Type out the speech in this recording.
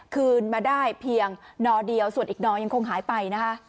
คืนมาได้เพียงนอเดียวส่วนอีกนอยังคงหายไปนะคะ